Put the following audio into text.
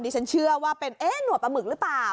ดิฉันเชื่อว่าเป็นหนัวปลาหมึกหรือเปล่า